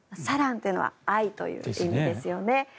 サランというのは愛という意味ですよね。